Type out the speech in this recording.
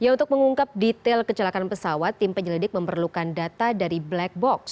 ya untuk mengungkap detail kecelakaan pesawat tim penyelidik memerlukan data dari black box